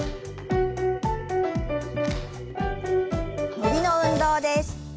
伸びの運動です。